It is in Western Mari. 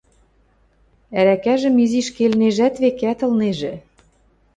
Ӓрӓкӓжӹм изиш келнежӓт, векӓт, ылнежӹ...